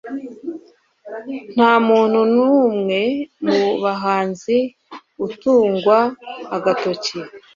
nta muntu numwe mu bahanzi utungwa agatoki